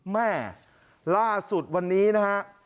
แม่ล่าสุดวันนี้นะฮะ